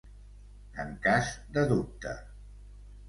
En cas de dubte.